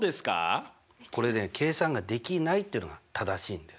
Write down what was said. これね「計算ができない」っていうのが正しいんです。